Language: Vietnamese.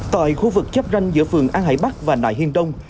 tại khu vực chắp ranh giữa phường an hải bắc và nại hiên đông